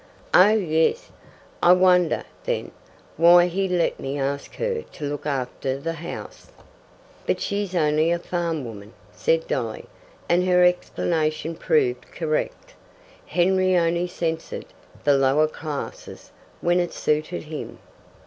"Oh yes." "I wonder, then, why he let me ask her to look after the house." "But she's only a farm woman," said Dolly, and her explanation proved correct. Henry only censured the lower classes when it suited him.